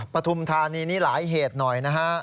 ปฐุมธานีนี่หลายเหตุหน่อยนะฮะ